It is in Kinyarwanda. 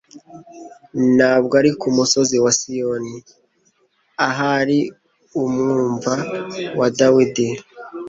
Ntabwo ari ku musozi wa Sioni ahari umunva wa Dawidi